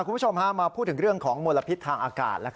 คุณผู้ชมมาพูดถึงเรื่องของมลพิษทางอากาศ